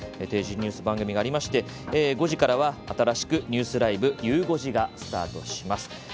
定時ニュース番組がありまして５時からは新しく「ニュースＬＩＶＥ！ゆう５時」がスタートします。